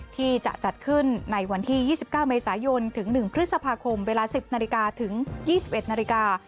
ที่จะจัดขึ้นในวันที่ยี่สิบเก้าเมษายนถึงหนึ่งพฤษภาคมเวลาสิบนาฬิกาถึงยี่สิบเอ็ดนาฬิกา